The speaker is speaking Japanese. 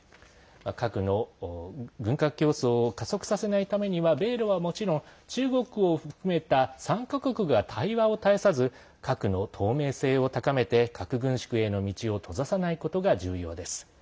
核の軍拡競争を加速させないためには米ロはもちろん中国を含めた３か国が対話を絶やさず核の透明性を高めて核軍縮への道を閉ざさないことが重要です。